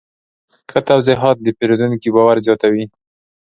ښه توضیحات د پیرودونکي باور زیاتوي.